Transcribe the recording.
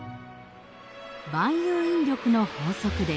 万有引力の法則です。